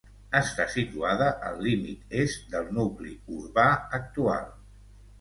Està situada al límit est del nucli urbà actual.